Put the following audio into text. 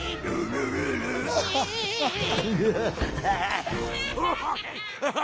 ヌハハハ！